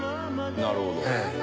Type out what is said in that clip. なるほど。